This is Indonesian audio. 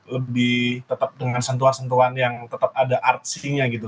lebih tetap dengan sentuhan sentuhan yang tetap ada artc nya gitu